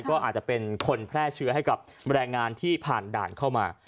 ก็อาจจะเป็นคนแพร่เชื้อให้กับแรงงานที่ผ่านด่านเข้ามา